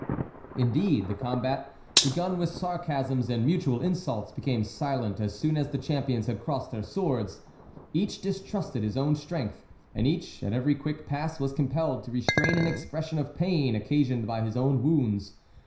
Indeed, the combat, begun with sarcasms and mutual insults, became silent as soon as the champions had crossed their swords. Each distrusted his own strength, and each, at every quick pass, was compelled to restrain an expression of pain occasioned by his own wounds.